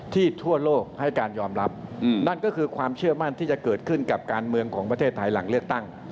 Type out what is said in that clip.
ทั่วโลกให้การยอมรับนั่นก็คือความเชื่อมั่นที่จะเกิดขึ้นกับการเมืองของประเทศไทยหลังเลือกตั้ง